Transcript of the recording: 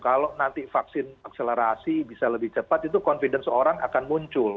kalau nanti vaksin akselerasi bisa lebih cepat itu confidence orang akan muncul